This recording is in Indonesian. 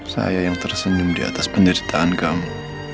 saya yang tersenyum diatas penderitaan kamu